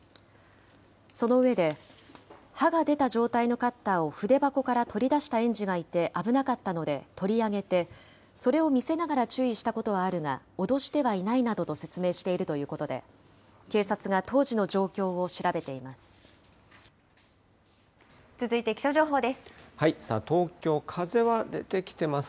その上で、刃が出た状態のカッターを筆箱から取り出した園児がいて危なかったので取り上げて、それを見せながら注意したことはあるが、脅してはいないなどと説明しているということで、警察が当時の状況を続いて気象情報です。